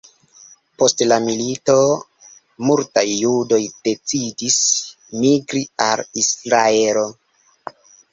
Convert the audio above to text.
Post la milito, multaj judoj decidis migri al Israelo.